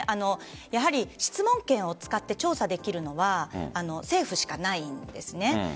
質問権を使って調査できるのは政府しかないんですね。